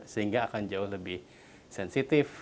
sehingga akan jauh lebih sensitif